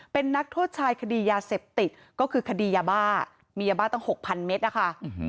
เป็นนักโทษชายคดียาเสพติดก็คือคดียาบ้ามียาบ้าตั้ง๖๐๐เมตรนะคะ